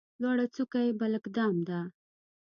لوړه څوکه یې بلک دام ده.